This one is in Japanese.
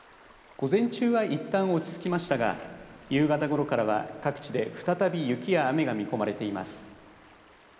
午前中はいったん落ち着きましたが夕方ごろからは各地で再び雪や雨が見込まれています。